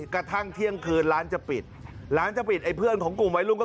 กระทั่งเที่ยงคืนร้านจะปิดร้านจะปิดไอ้เพื่อนของกลุ่มวัยรุ่นก็